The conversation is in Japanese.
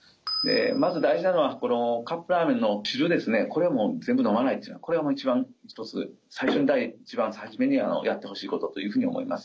まず大事なのはこのカップラーメンの汁ですねこれはもう全部飲まないっていうのはこれはもう一番ひとつ一番初めにやってほしいことというふうに思います。